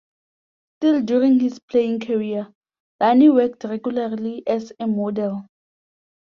Still during his playing career, Dani worked regularly as a model.